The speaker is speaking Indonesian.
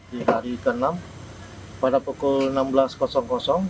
di hari ke enam pada pukul enam belas